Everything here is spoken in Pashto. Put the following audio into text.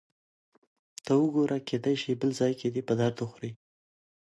ته وګوره، کېدای شي بل ځای کې دې په درد وخوري.